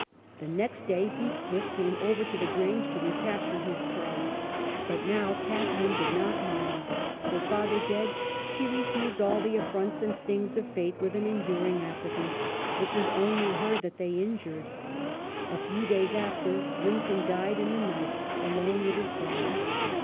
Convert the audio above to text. The next day Heathcliff came over to the Grange to recapture his prey, but now Catharine did not mind ; her father dead, she received all the affronts and stings of fate with an enduring apathy; it was only her that they injured. A few days after Linton died in the night, alone with his bride.